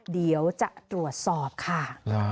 เดี๋ยวจะตรวจสอบค่ะ